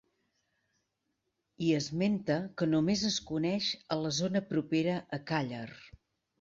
I esmenta que només es coneix a la zona propera a Càller.